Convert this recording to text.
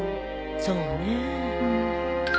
そうねえ。